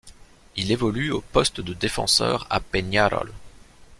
Il évolue au poste de défenseur à Peñarol.